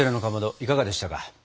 いかがでしたか？